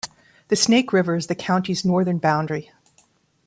The Snake River is the county's northern boundary.